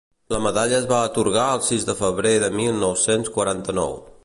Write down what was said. La medalla es va atorgar el sis de febrer de mil nou-cents quaranta-nou.